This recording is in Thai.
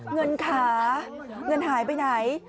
เงินขาเงินหายไปไหน